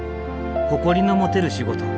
誇りの持てる仕事。